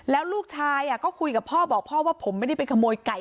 แล้วลูกชายก็คุยกับพ่อบอกพ่อว่าผมไม่ได้ไปขโมยไก่